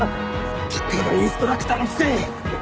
たかがインストラクターのくせに！